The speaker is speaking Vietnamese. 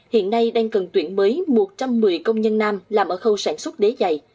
hiện nay đang cần tuyển mới một trăm một mươi công nhân nam làm ở khâu sản xuất đế dày